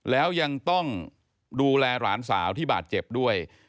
แล้วยังต้องดูแลหลานสาวที่บาดเจ็บด้วย